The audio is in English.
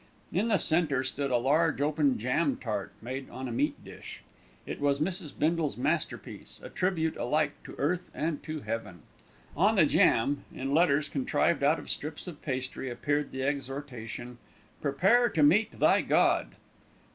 In the centre stood a large open jam tart made on a meat dish. It was Mrs. Bindle's masterpiece, a tribute alike to earth and to heaven. On the jam, in letters contrived out of strips of pastry, appeared the exhortation, "Prepare to Meet Thy God."